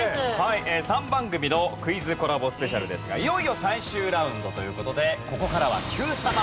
３番組のクイズコラボスペシャルですがいよいよ最終ラウンドという事でここからは『Ｑさま！！』